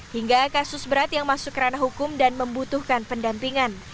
hingga kasus berat yang masuk kerana hukum dan membutuhkan pendampingan